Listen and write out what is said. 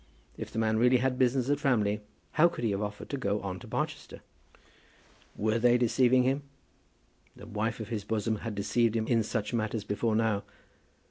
If the man really had business at Framley, how could he have offered to go on to Barchester? Were they deceiving him? The wife of his bosom had deceived him in such matters before now.